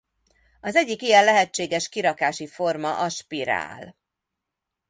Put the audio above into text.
Az egyik ilyen lehetséges kirakási forma a spirál.